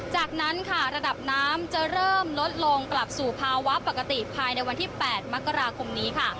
จากนั้นค่ะระดับน้ำจะเริ่มลดลงกลับสู่ภาวะปกติภายในวันที่๘มกราคมนี้ค่ะ